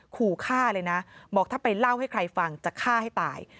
ขู่ฆ่าเลยนะบอกถ้าไปเล่าให้ใครฟังจะฆ่าให้ตาย